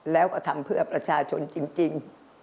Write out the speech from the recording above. แล้วก็ทำเพื่อประชาชนจริง